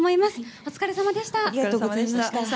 お疲れさまでした。